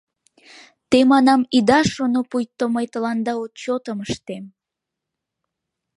Те, манам, ида шоно, пуйто мый тыланда отчётым ыштем.